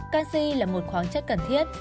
canxi là một khoáng chất cần thiết